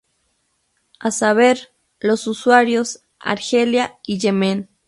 A saber, los usuarios, Argelia y Yemen.